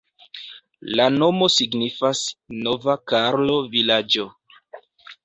La nomo signifas "Nova karlo-vilaĝo".